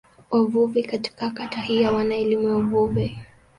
Wavuvi katika kata hii hawana elimu ya uvuvi.